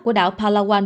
của đảo palawan